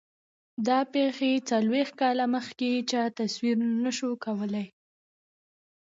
دا پېښې څلوېښت کاله مخکې چا تصور نه شو کولای.